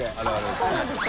そうなんですか？